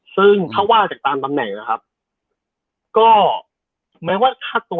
ซึ่งถ้าว่าจากตามตำแหน่งนะครับก็แป้งว่าค่าตัว๑๐๐๐๐๐๕๐๐